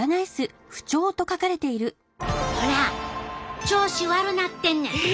ほら調子悪なってんねん！